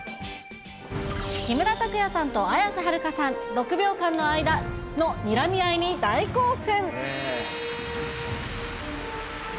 木村拓哉さんと綾瀬はるかさん、６秒間の間のにらみ合いに大興奮。